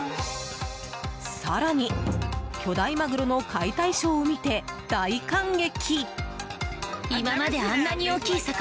更に、巨大マグロの解体ショーを見て大感激！